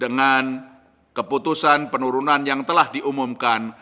dengan keputusan penurunan yang telah diumumkan